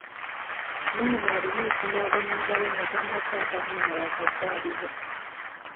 Maama alina okunaaba mu ngalo nga tannakwata mwana yakazaalibwa..